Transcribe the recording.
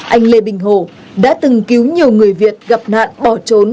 anh lê bình hồ đã từng cứu nhiều người việt gặp nạn bỏ trốn